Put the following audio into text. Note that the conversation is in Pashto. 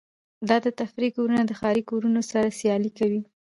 دا د تفریح کورونه د ښاري کورونو سره سیالي کوي